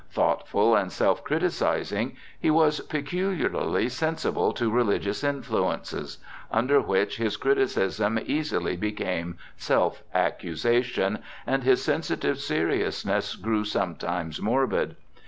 Thoughtful and self criticizing, he was peculiarly sensible to religious influences, under which his criticism easily became self accusation, and his sensitive seriousness grew sometimes morbid.